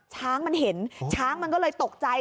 ช้างมันเห็นช้างมันก็เลยตกใจ